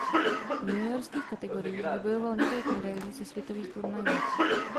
V juniorských kategoriích vybojoval několik medailí ze světových turnajů.